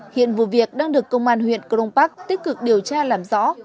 hiện vụ việc đang được công an huyện công đông bắc tích cực điều tra làm rõ